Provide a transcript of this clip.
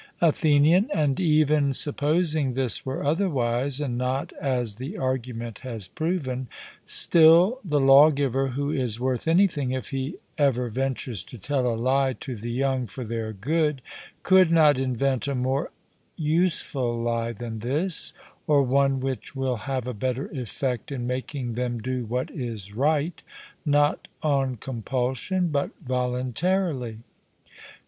ATHENIAN: And even supposing this were otherwise, and not as the argument has proven, still the lawgiver, who is worth anything, if he ever ventures to tell a lie to the young for their good, could not invent a more useful lie than this, or one which will have a better effect in making them do what is right, not on compulsion but voluntarily.